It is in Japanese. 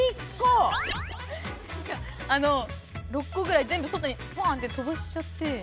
６個ぐらいぜんぶ外にポーンってとばしちゃって。